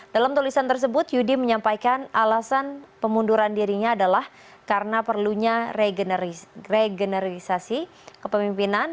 dalam tulisan tersebut yudi menyampaikan alasan pemunduran dirinya adalah karena perlunya regeneralisasi kepemimpinan